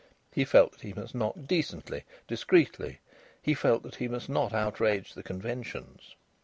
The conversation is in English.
He felt that he must knock decently, discreetly; he felt that he must not outrage the conventions.